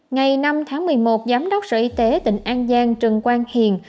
ngày năm tháng một mươi một giám đốc sở y tế tỉnh an giang trần quang hiền